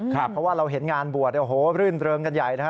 เพราะว่าเราเห็นงานบวชโอ้โหรื่นเริงกันใหญ่นะฮะ